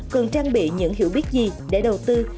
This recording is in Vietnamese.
cần trang bị những hiểu biết gì để đầu tư